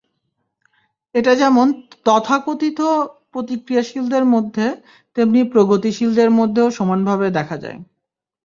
এটা যেমন তথাকথিত প্রতিক্রিয়াশীলদের মধ্যে, তেমনি প্রগতিশীলদের মধ্যেও সমানভাবে দেখা যায়।